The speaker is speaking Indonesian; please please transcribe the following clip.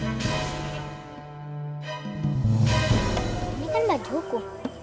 ini kan bajuku